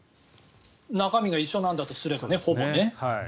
中身がほぼ一緒なんだとすればね。